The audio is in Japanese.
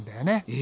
え？